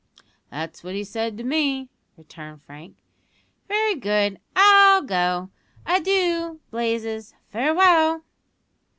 "That's what he said to me," returned Frank. "Very good; I'll go. Adoo, Blazes farewell."